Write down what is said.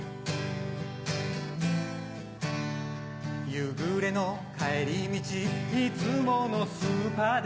夕暮れの帰り道いつものスーパーで